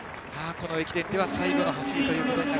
この駅伝では最後の走り。